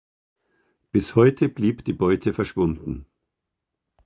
Bis heute blieb die Beute verschwunden.